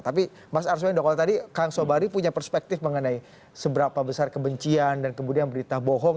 tapi mas arswendo kalau tadi kang sobari punya perspektif mengenai seberapa besar kebencian dan kemudian berita bohong